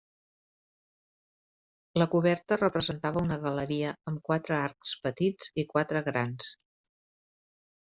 La coberta representava una galeria amb quatre arcs petits i quatre grans.